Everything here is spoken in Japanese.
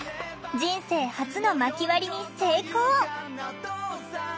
人生初のまき割りに成功！